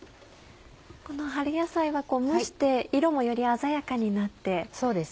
この春野菜は蒸して色もより鮮やかになって。